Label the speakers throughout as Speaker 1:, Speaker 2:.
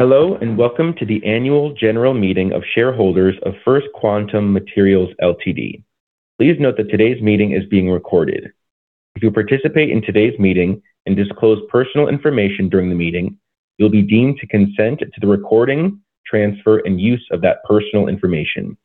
Speaker 1: Hello, and welcome to the Annual General Meeting of shareholders of First Quantum Minerals Ltd. Please note that today's meeting is being recorded. If you participate in today's meeting and disclose personal information during the meeting, you'll be deemed to consent to the recording, transfer, and use of that personal information.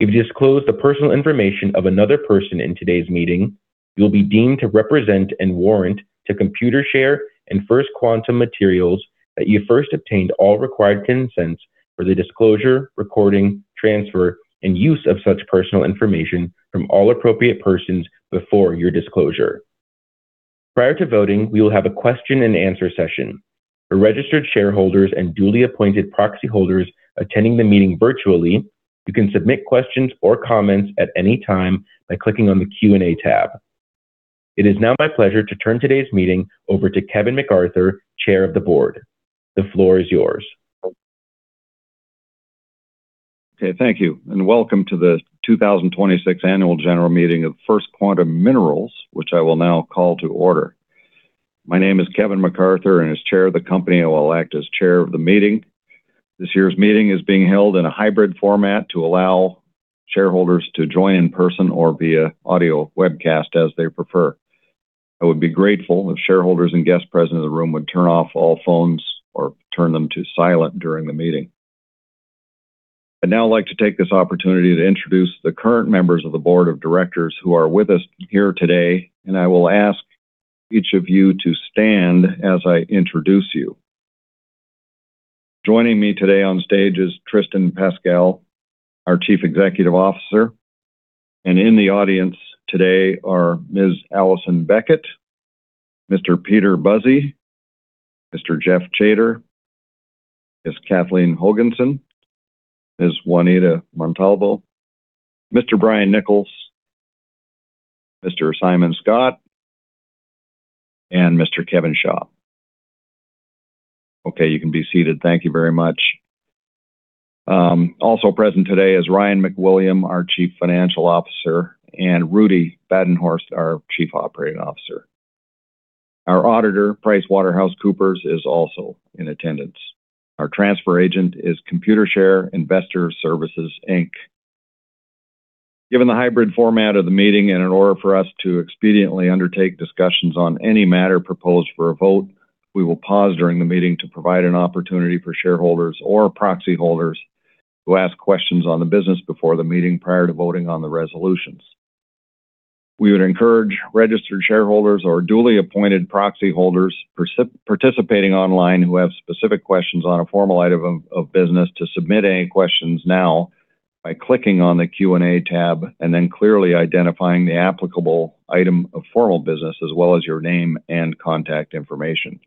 Speaker 1: If you disclose the personal information of another person in today's meeting, you'll be deemed to represent and warrant to Computershare and First Quantum Minerals that you first obtained all required consents for the disclosure, recording, transfer, and use of such personal information from all appropriate persons before your disclosure. Prior to voting, we will have a question and answer session. For registered shareholders and duly appointed proxy holders attending the meeting virtually, you can submit questions or comments at any time by clicking on the Q&A tab. It is now my pleasure to turn today's meeting over to Kevin McArthur, Chair of the Board. The floor is yours.
Speaker 2: Okay, thank you, welcome to the 2026 Annual General Meeting of First Quantum Minerals, which I will now call to order. My name is Kevin McArthur, and as Chair of the company, I will act as Chair of the meeting. This year's meeting is being held in a hybrid format to allow shareholders to join in person or via audio webcast as they prefer. I would be grateful if shareholders and guests present in the room would turn off all phones or turn them to silent during the meeting. I'd now like to take this opportunity to introduce the current members of the Board of Directors who are with us here today, and I will ask each of you to stand as I introduce you. Joining me today on stage is Tristan Pascall, our Chief Executive Officer. In the audience today are Ms. Alison Beckett, Mr. Peter Buzzi, Mr. Geoff Chater, Ms. Kathleen Hogenson, Ms. Juanita Montalvo, Mr. Brian Nichols, Mr. Simon Scott, and Mr. Kevin Xia. Okay, you can be seated. Thank you very much. Also present today is Ryan MacWilliam, our Chief Financial Officer, and Rudi Badenhorst, our Chief Operating Officer. Our auditor, PricewaterhouseCoopers, is also in attendance. Our transfer agent is Computershare Investor Services Inc. Given the hybrid format of the meeting and in order for us to expediently undertake discussions on any matter proposed for a vote, we will pause during the meeting to provide an opportunity for shareholders or proxy holders who ask questions on the business before the meeting prior to voting on the resolutions. We would encourage registered shareholders or duly appointed proxy holders participating online who have specific questions on a formal item of business to submit any questions now by clicking on the Q&A tab and then clearly identifying the applicable item of formal business as well as your name and contact information.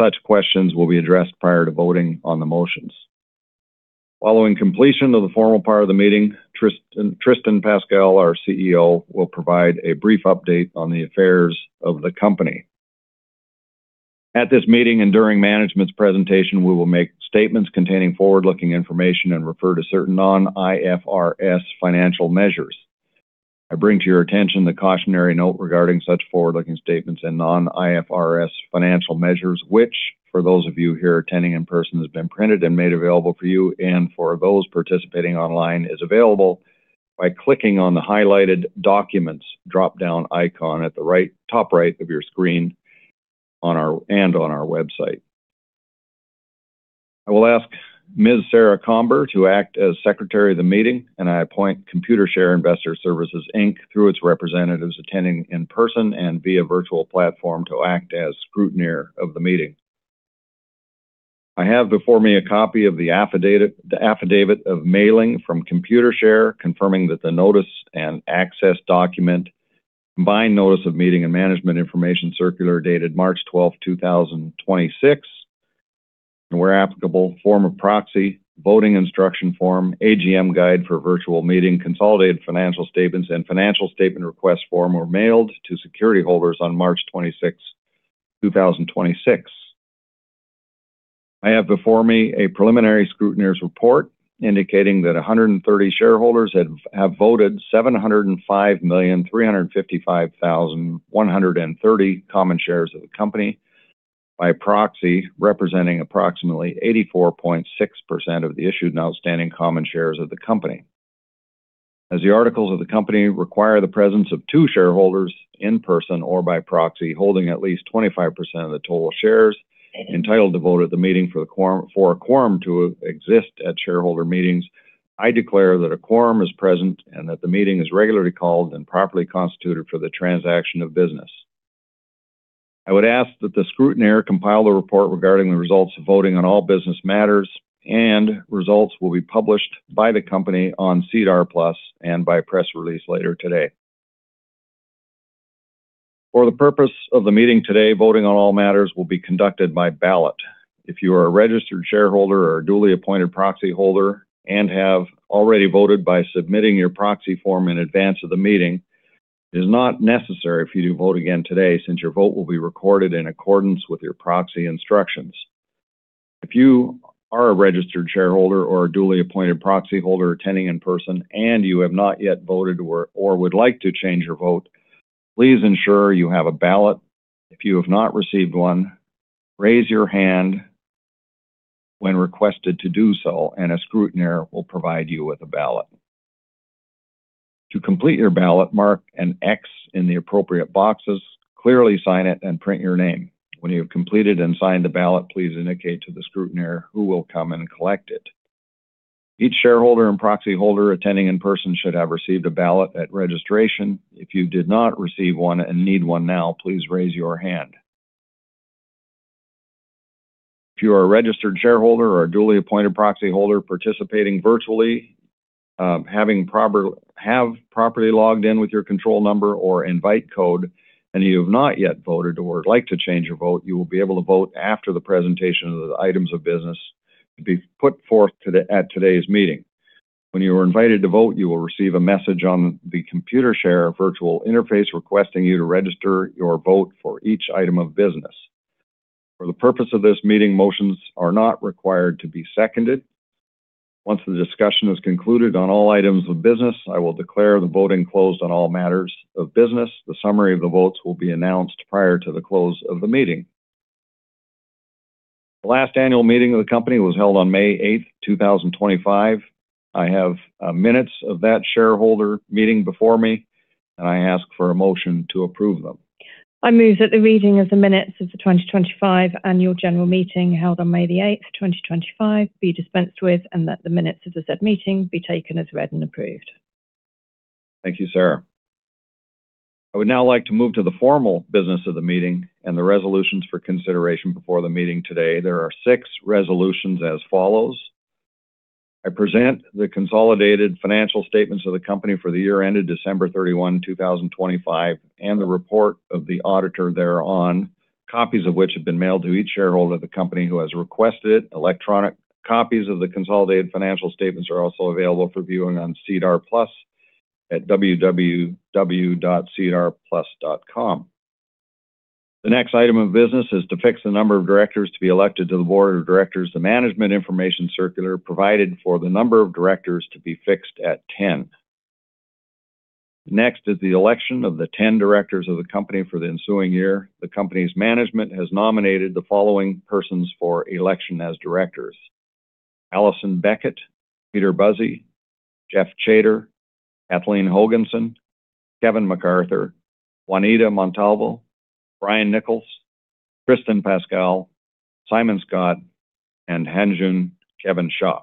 Speaker 2: Such questions will be addressed prior to voting on the motions. Following completion of the formal part of the meeting, Tristan Pascall, our CEO, will provide a brief update on the affairs of the company. At this meeting and during management's presentation, we will make statements containing forward-looking information and refer to certain non-IFRS financial measures. I bring to your attention the cautionary note regarding such forward-looking statements and non-IFRS financial measures, which for those of you here attending in person has been printed and made available for you and for those participating online is available by clicking on the highlighted documents drop-down icon at the right, top right of your screen and on our website. I will ask Ms. Sarah Comber to act as Secretary of the meeting. I appoint Computershare Investor Services Inc. through its representatives attending in person and via virtual platform to act as scrutineer of the meeting. I have before me a copy of the affidavit of mailing from Computershare, confirming that the notice and access document, combined notice of meeting and management information circular dated March 12th, 2026, and where applicable, form of proxy, voting instruction form, AGM guide for virtual meeting, consolidated financial statements, and financial statement request form were mailed to security holders on March 26th, 2026. I have before me a preliminary scrutineer's report indicating that 130 shareholders have voted 705,355,130 common shares of the company by proxy, representing approximately 84.6% of the issued and outstanding common shares of the company. As the articles of the company require the presence of two shareholders in person or by proxy holding at least 25% of the total shares entitled to vote at the meeting for the quorum, for a quorum to exist at shareholder meetings, I declare that a quorum is present and that the meeting is regularly called and properly constituted for the transaction of business. I would ask that the scrutineer compile the report regarding the results of voting on all business matters and results will be published by the company on SEDAR+ and by press release later today. For the purpose of the meeting today, voting on all matters will be conducted by ballot. If you are a registered shareholder or a duly appointed proxy holder and have already voted by submitting your proxy form in advance of the meeting, it is not necessary for you to vote again today since your vote will be recorded in accordance with your proxy instructions. If you are a registered shareholder or a duly appointed proxy holder attending in person and you have not yet voted or would like to change your vote. Please ensure you have a ballot. If you have not received one, raise your hand when requested to do so, and a scrutineer will provide you with a ballot. To complete your ballot, mark an x in the appropriate boxes, clearly sign it, and print your name. When you have completed and signed the ballot, please indicate to the scrutineer, who will come and collect it. Each shareholder and proxyholder attending in person should have received a ballot at registration. If you did not receive one and need one now, please raise your hand. If you are a registered shareholder or a duly appointed proxyholder participating virtually, having properly logged in with your control number or invite code and you have not yet voted or would like to change your vote, you will be able to vote after the presentation of the items of business to be put forth at today's meeting. When you are invited to vote, you will receive a message on the Computershare virtual interface requesting you to register your vote for each item of business. For the purpose of this meeting, motions are not required to be seconded. Once the discussion is concluded on all items of business, I will declare the voting closed on all matters of business. The summary of the votes will be announced prior to the close of the meeting. The last Annual Meeting of the company was held on May 8th, 2025. I have minutes of that shareholder meeting before me, and I ask for a motion to approve them.
Speaker 3: I move that the reading of the minutes of the 2025 Annual General Meeting held on May 8th, 2025 be dispensed with and that the minutes of the said meeting be taken as read and approved.
Speaker 2: Thank you, Sarah. I would now like to move to the formal business of the meeting and the resolutions for consideration before the meeting today. There are six resolutions as follows. I present the consolidated financial statements of the company for the year ended December 31, 2025, and the report of the auditor thereon, copies of which have been mailed to each shareholder of the company who has requested it. Electronic copies of the consolidated financial statements are also available for viewing on SEDAR+ at www.sedarplus.com. The next item of business is to fix the number of Directors to be elected to the Board of Directors. The management information circular provided for the number of directors to be fixed at 10. Next is the election of the 10 Directors of the company for the ensuing year. The company's management has nominated the following persons for election as directors: Alison Beckett, Peter Buzzi, Geoff Chater, Kathleen Hogenson, Kevin McArthur, Juanita Montalvo, Brian Nichols, Tristan Pascall, Simon Scott, and Hanjun Kevin Xia.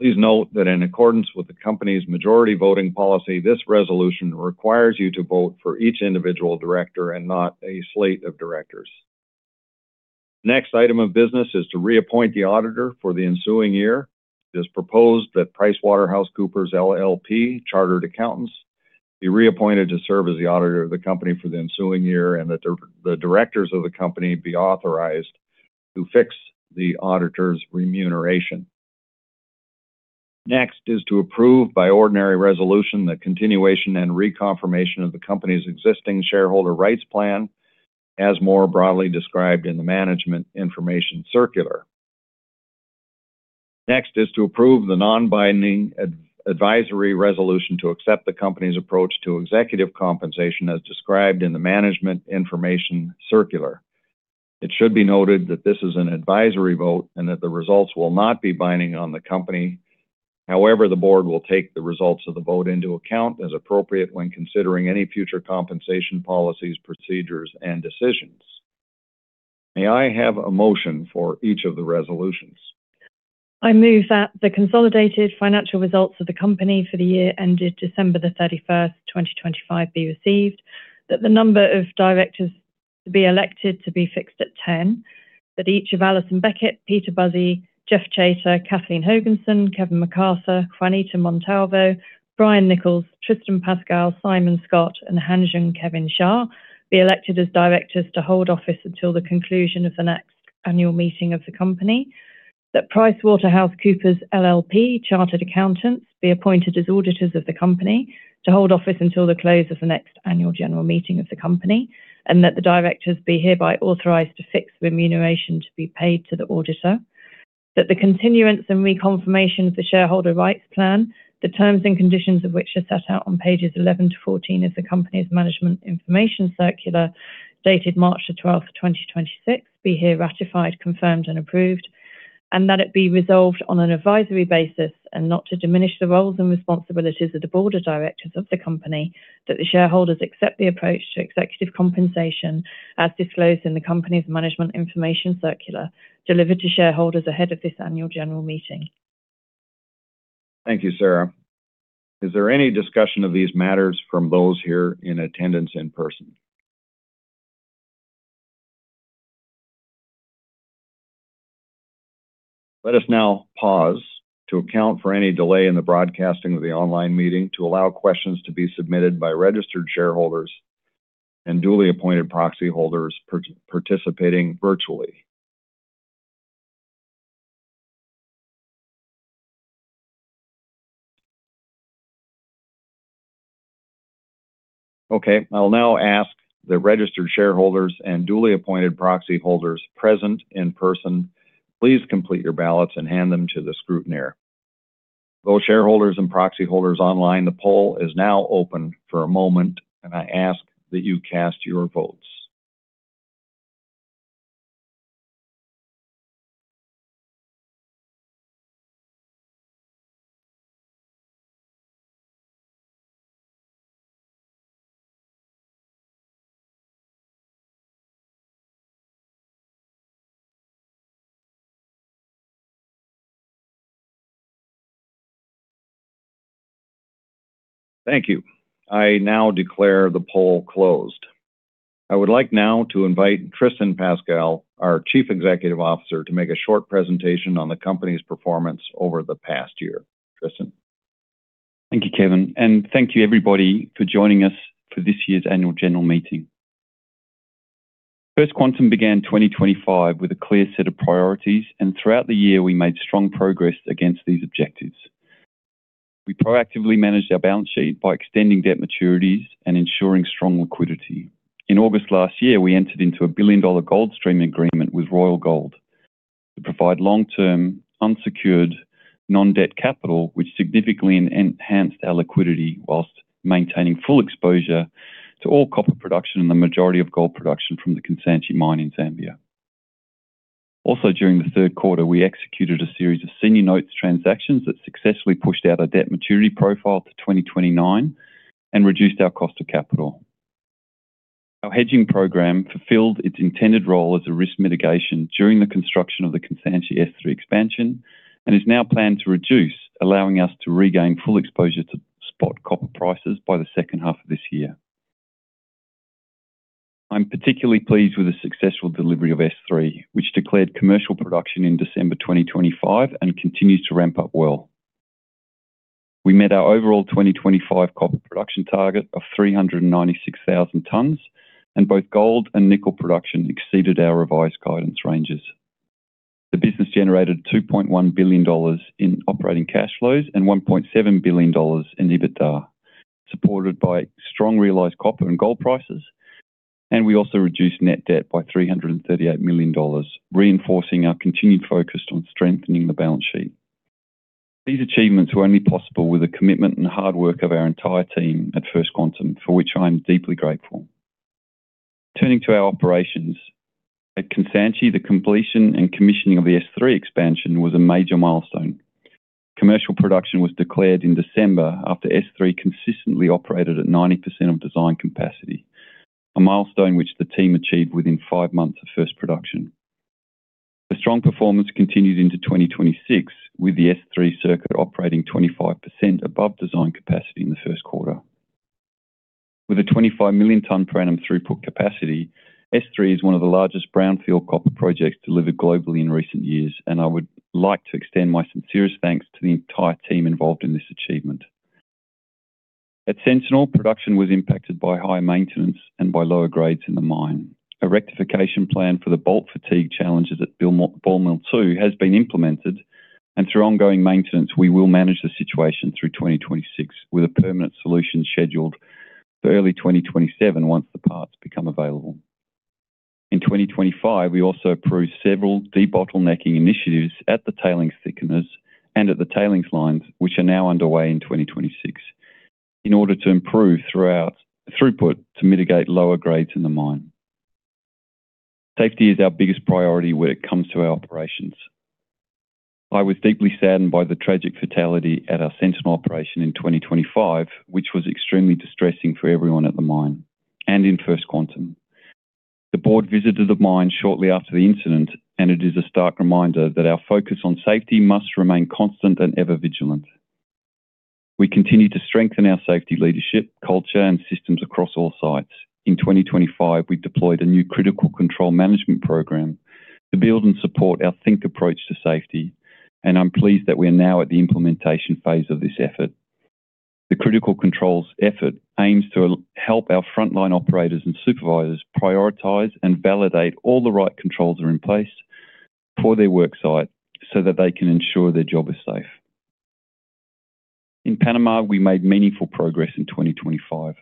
Speaker 2: Please note that in accordance with the company's majority voting policy, this resolution requires you to vote for each individual Director and not a slate of Directors. Next item of business is to reappoint the auditor for the ensuing year. It is proposed that PricewaterhouseCoopers LLP Chartered Accountants be reappointed to serve as the auditor of the company for the ensuing year and that the Directors of the company be authorized to fix the auditor's remuneration. Next is to approve by ordinary resolution the continuation and reconfirmation of the company's existing shareholder rights plan as more broadly described in the management information circular. Next is to approve the non-binding advisory resolution to accept the company's approach to executive compensation as described in the management information circular. It should be noted that this is an advisory vote and that the results will not be binding on the company. However, the Board will take the results of the vote into account as appropriate when considering any future compensation policies, procedures, and decisions. May I have a motion for each of the resolutions?
Speaker 3: I move that the consolidated financial results of the company for the year ended December 31st, 2025 be received. That the number of Directors to be elected to be fixed at 10. That each of Alison Beckett, Peter Buzzi, Geoff Chater, Kathleen Hogenson, Kevin McArthur, Juanita Montalvo, Brian Nichols, Tristan Pascall, Simon Scott, and Hanjun Kevin Xia be elected as Directors to hold office until the conclusion of the next Annual Meeting of the company. That PricewaterhouseCoopers LLP Chartered Accountants be appointed as auditors of the company to hold office until the close of the next Annual General Meeting of the company, and that the Directors be hereby authorized to fix the remuneration to be paid to the auditor. That the continuance and reconfirmation of the shareholder rights plan, the terms and conditions of which are set out on pages 11-14 of the company's management information circular dated March 12th, 2026, be here ratified, confirmed, and approved. That it be resolved on an advisory basis and not to diminish the roles and responsibilities of the Board of Directors of the company that the shareholders accept the approach to executive compensation as disclosed in the company's management information circular delivered to shareholders ahead of this Annual General Meeting.
Speaker 2: Thank you, Sarah. Is there any discussion of these matters from those here in attendance in person? Let us now pause to account for any delay in the broadcasting of the online meeting to allow questions to be submitted by registered shareholders and duly appointed proxyholders participating virtually. Okay. I will now ask the registered shareholders and duly appointed proxyholders present in person, please complete your ballots and hand them to the scrutineer. Those shareholders and proxy holders online, the poll is now open for a moment. I ask that you cast your votes. Thank you. I now declare the poll closed. I would like now to invite Tristan Pascall, our Chief Executive Officer, to make a short presentation on the company's performance over the past year. Tristan?
Speaker 4: Thank you, Kevin. Thank you everybody for joining us for this year's Annual General Meeting. First Quantum began 2025 with a clear set of priorities, and throughout the year, we made strong progress against these objectives. We proactively managed our balance sheet by extending debt maturities and ensuring strong liquidity. In August last year, we entered into a billion-dollar gold stream agreement with Royal Gold to provide long-term, unsecured, non-debt capital, which significantly enhanced our liquidity whilst maintaining full exposure to all copper production and the majority of gold production from the Kansanshi mine in Zambia. Also, during the third quarter, we executed a series of senior notes transactions that successfully pushed out our debt maturity profile to 2029 and reduced our cost of capital. Our hedging program fulfilled its intended role as a risk mitigation during the construction of the Kansanshi S3 Expansion and is now planned to reduce, allowing us to regain full exposure to spot copper prices by the second half of this year. I'm particularly pleased with the successful delivery of S3, which declared commercial production in December 2025 and continues to ramp up well. We met our overall 2025 copper production target of 396,000 tons, both gold and nickel production exceeded our revised guidance ranges. The business generated $2.1 billion in operating cash flows and $1.7 billion in EBITDA, supported by strong realized copper and gold prices. We also reduced net-debt by $338 million, reinforcing our continued focus on strengthening the balance sheet. These achievements were only possible with the commitment and hard work of our entire team at First Quantum, for which I am deeply grateful. Turning to our operations. At Kansanshi, the completion and commissioning of the S3 Expansion was a major milestone. Commercial production was declared in December after S3 consistently operated at 90% of design capacity, a milestone which the team achieved within five months of first production. The strong performance continued into 2026, with the S3 circuit operating 25% above design capacity in the first quarter. With a 25 million ton per annum throughput capacity, S3 is one of the largest brownfield copper projects delivered globally in recent years, and I would like to extend my sincerest thanks to the entire team involved in this achievement. At Sentinel, production was impacted by high maintenance and by lower grades in the mine. A rectification plan for the bolt fatigue challenges at Ball Mill 2 has been implemented. Through ongoing maintenance, we will manage the situation through 2026, with a permanent solution scheduled for early 2027 once the parts become available. In 2025, we also approved several debottlenecking initiatives at the tailings thickeners and at the tailings lines, which are now underway in 2026 in order to improve throughput to mitigate lower grades in the mine. Safety is our biggest priority when it comes to our operations. I was deeply saddened by the tragic fatality at our Sentinel operation in 2025, which was extremely distressing for everyone at the mine and in First Quantum. The Board visited the mine shortly after the incident. It is a stark reminder that our focus on safety must remain constant and ever vigilant. We continue to strengthen our safety leadership, culture, and systems across all sites. In 2025, we deployed a new critical control management program to build and support our think approach to safety, and I'm pleased that we are now at the implementation phase of this effort. The critical controls effort aims to help our frontline operators and supervisors prioritize and validate all the right controls are in place for their work site, so that they can ensure their job is safe. In Panama, we made meaningful progress in 2025.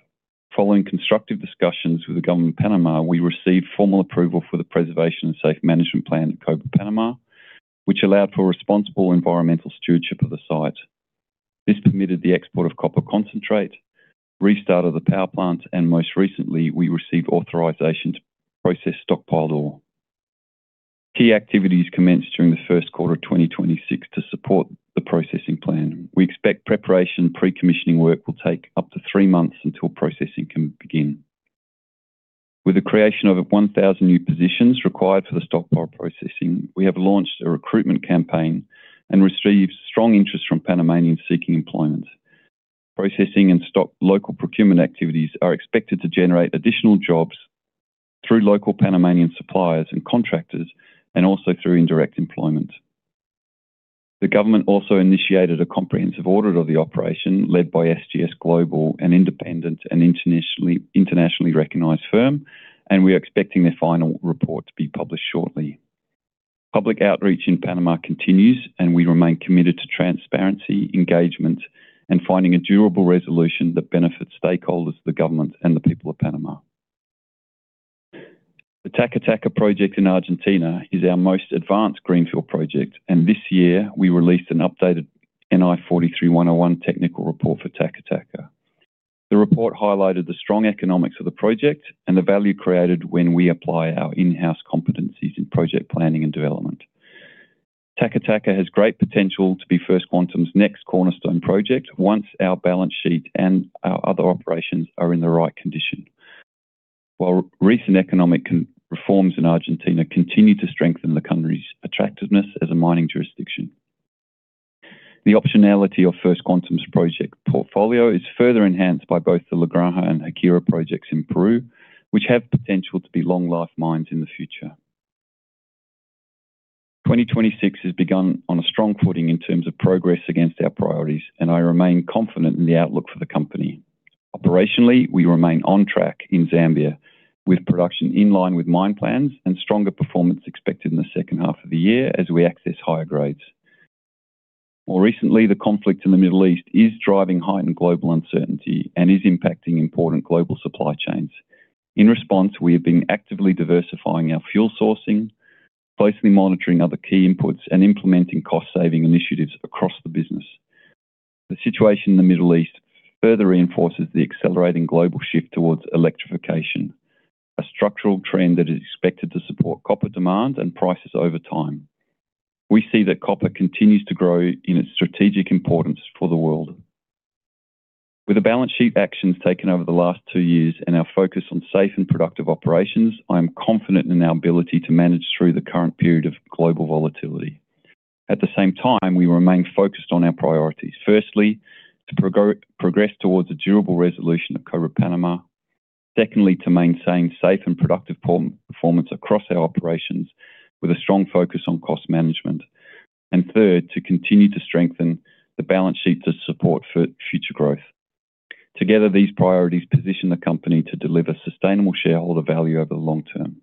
Speaker 4: Following constructive discussions with the government of Panama, we received formal approval for the preservation and safe management plan at Cobre Panamá, which allowed for responsible environmental stewardship of the site. This permitted the export of copper concentrate, restart of the power plant, and most recently, we received authorization to process stockpiled ore. Key activities commenced during the first quarter of 2026 to support the processing plan. We expect preparation pre-commissioning work will take up to three months until processing can begin. With the creation of 1,000 new positions required for the stockpile processing, we have launched a recruitment campaign and received strong interest from Panamanians seeking employment. Processing and stock local procurement activities are expected to generate additional jobs through local Panamanian suppliers and contractors and also through indirect employment. The government also initiated a comprehensive audit of the operation led by SGS Global, an independent and internationally recognized firm, and we are expecting their final report to be published shortly. Public outreach in Panama continues, and we remain committed to transparency, engagement, and finding a durable resolution that benefits stakeholders, the government, and the people of Panama. The Taca Taca project in Argentina is our most advanced greenfield project, and this year we released an updated NI 43-101 technical report for Taca Taca. The report highlighted the strong economics of the project and the value created when we apply our in-house competencies in project planning and development. Taca Taca has great potential to be First Quantum's next cornerstone project once our balance sheet and our other operations are in the right condition. While recent economic reforms in Argentina continue to strengthen the country's attractiveness as a mining jurisdiction. The optionality of First Quantum's project portfolio is further enhanced by both the La Granja and Haquira projects in Peru, which have potential to be long life mines in the future. 2026 has begun on a strong footing in terms of progress against our priorities, and I remain confident in the outlook for the company. Operationally, we remain on track in Zambia with production in line with mine plans and stronger performance expected in the second half of the year as we access higher grades. More recently, the conflict in the Middle East is driving heightened global uncertainty and is impacting important global supply chains. In response, we have been actively diversifying our fuel sourcing, closely monitoring other key inputs, and implementing cost-saving initiatives across the business. The situation in the Middle East further reinforces the accelerating global shift towards electrification, a structural trend that is expected to support copper demand and prices over time. We see that copper continues to grow in its strategic importance for the world. With the balance sheet actions taken over the last two years and our focus on safe and productive operations, I am confident in our ability to manage through the current period of global volatility. At the same time, we remain focused on our priorities. Firstly, to progress towards a durable resolution of Cobre Panamá. Secondly, to maintain safe and productive performance across our operations with a strong focus on cost management. Third, to continue to strengthen the balance sheet to support future growth. Together, these priorities position the company to deliver sustainable shareholder value over the long term.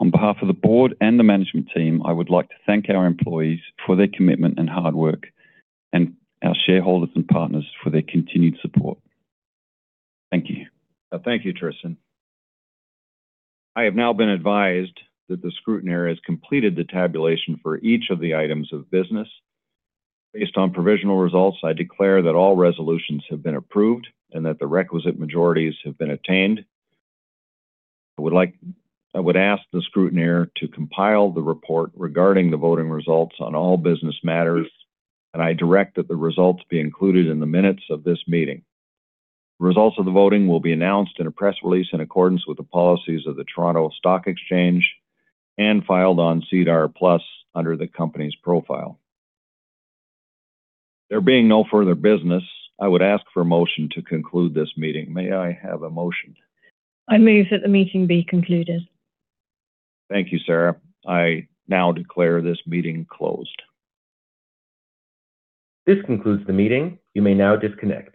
Speaker 4: On behalf of the board and the management team, I would like to thank our employees for their commitment and hard work and our shareholders and partners for their continued support. Thank you.
Speaker 2: Thank you, Tristan. I have now been advised that the scrutineer has completed the tabulation for each of the items of business. Based on provisional results, I declare that all resolutions have been approved and that the requisite majorities have been attained. I would ask the scrutineer to compile the report regarding the voting results on all business matters, and I direct that the results be included in the minutes of this meeting. Results of the voting will be announced in a press release in accordance with the policies of the Toronto Stock Exchange and filed on SEDAR+ under the company's profile. There being no further business, I would ask for a motion to conclude this meeting. May I have a motion?
Speaker 3: I move that the meeting be concluded.
Speaker 2: Thank you, Sarah. I now declare this meeting closed.
Speaker 1: This concludes the meeting. You may now disconnect.